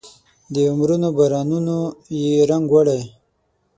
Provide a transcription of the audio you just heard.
د عمرونو بارانونو یې رنګ وړی